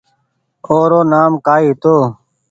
او رو نآم ڪآئي هيتو